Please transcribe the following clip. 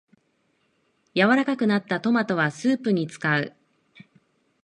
柔らかくなったトマトはスープに使う